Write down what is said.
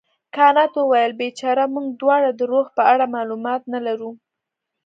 کانت وویل بیچاره موږ دواړه د روح په اړه معلومات نه لرو.